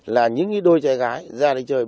là những đôi trai gái ra đây chơi